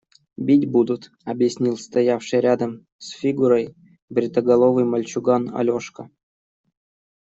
Бить будут, – объяснил стоявший рядом с Фигурой бритоголовый мальчуган Алешка.